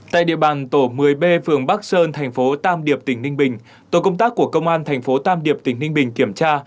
tại địa bàn tổ một mươi b phường bắc sơn thành phố tam điệp tỉnh ninh bình tổ công tác của công an thành phố tam điệp tỉnh ninh bình kiểm tra